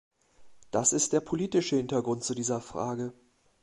Das ist der politische Hintergrund zu dieser Frage.